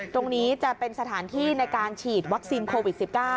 ตรงนี้จะเป็นสถานที่ในการฉีดวัคซีนโควิด๑๙